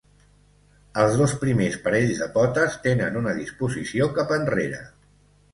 Els dos primers parells de potes tenen una disposició cap enrere.